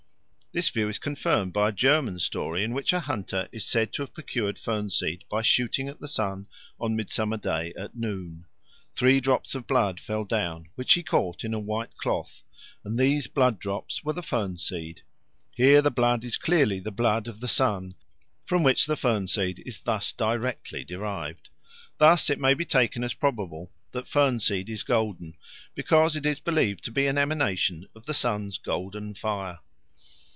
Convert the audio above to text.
This view is confirmed by a German story in which a hunter is said to have procured fern seed by shooting at the sun on Midsummer Day at noon; three drops of blood fell down, which he caught in a white cloth, and these blood drops were the fern seed. Here the blood is clearly the blood of the sun, from which the fern seed is thus directly derived. Thus it may be taken as probable that fern seed is golden, because it is believed to be an emanation of the sun's golden fire.